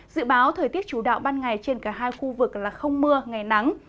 dự báo thời tiết chủ đạo ban ngày trên cả hai khu vực là không mưa ngày nắng